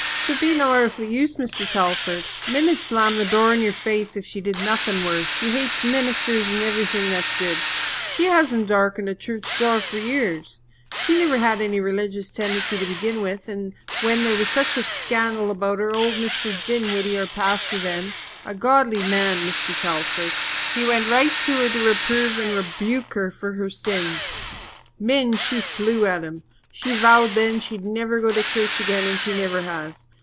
"'Twould be no airthly use, Mr. Telford. Min'd slam the door in your face if she did nothing worse. She hates ministers and everything that's good. She hasn't darkened a church door for years. She never had any religious tendency to begin with, and when there was such a scandal about her, old Mr. Dinwoodie, our pastor then a godly man, Mr. Telford he didn't hold no truck with evildoers he went right to her to reprove and rebuke her for her sins. Min, she flew at him. She vowed then she'd never go to church again, and she never has.